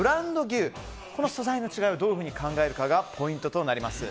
この素材の違いをどう考えるかがポイントとなります。